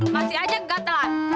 masih aja gak telat